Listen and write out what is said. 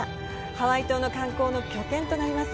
ハワイ島の観光の拠点となります。